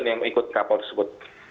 yang ikut kapal tersebut